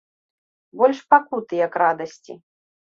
Больш пакуты, як радасці.